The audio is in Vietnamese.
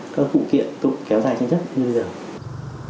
các vụ kiện kéo dài chân chất như bây giờ